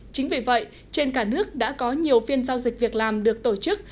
chính vì vậy trên cả nước đã có nhiều phiên giao dịch việc làm được tổ chức